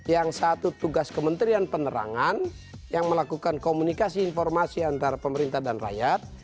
yang satu tugas kementerian penerangan yang melakukan komunikasi informasi antara pemerintah dan rakyat